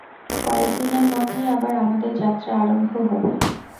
কয়েকদিনের মধ্যেই আবার আমাদের যাত্রা আরম্ভ হবে।